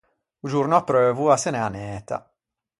O giorno apreuvo a se n’é anæta.